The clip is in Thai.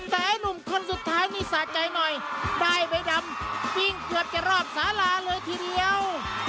แต่ไอ้ลุงคนนี่สุดท้ายสะใจหน่อยได้ใบดำวิ่งเตือนกับจะรอบสาราเลยทีเดียว